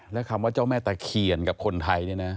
และคำว่าเจ้าแม่ตะเคียนกับคนไทยเนี่ยนะ